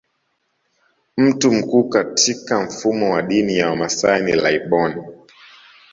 Mtu mkuu katika mfumo wa dini ya Wamasai ni laibon